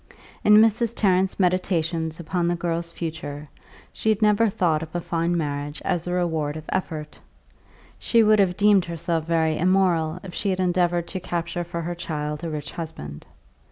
In Mrs. Tarrant's meditations upon the girl's future she had never thought of a fine marriage as a reward of effort; she would have deemed herself very immoral if she had endeavoured to capture for her child a rich husband.